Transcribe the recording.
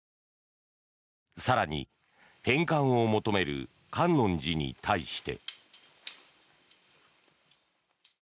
更に、返還を求める観音寺に対して。